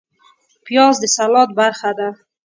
پیاز د سلاد برخه ده